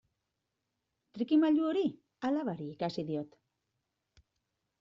Trikimailu hori alabari ikasi diot.